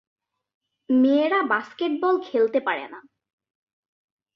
মেয়েরা বাস্কেটবল খেলতে পারে না।